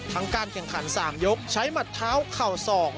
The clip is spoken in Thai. ทั้งการแข่งขัน๓ยกใช้หมัดเท้าเดี่ยวส่อง